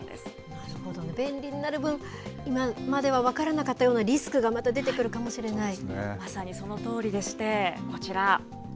なるほど、便利になる分、今までは分からなかったようなリスまさにそのとおりでして、こちら。